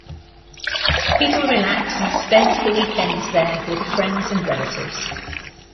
People relax and spend the weekends there with friends and relatives.